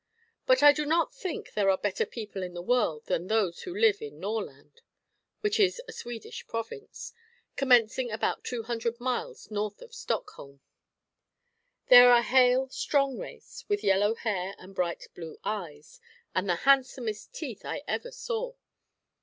But I do not think there are better people in the world than those who live in Norrland, which is a Swedish province, commencing about two hundred miles north of Stockholm. They are a hale, strong race, with yellow hair and bright blue eyes, and the handsomest teeth I ever saw.